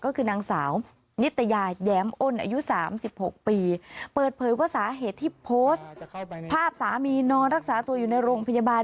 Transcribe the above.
ก็คือนางสาวนิตยาแย้มอ้นอายุ๓๖ปีเปิดเผยว่าสาเหตุที่โพสต์ภาพสามีนอนรักษาตัวอยู่ในโรงพยาบาล